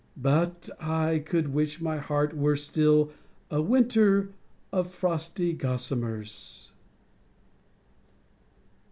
But I could wish my heart Were still a winter of frosty gossamers.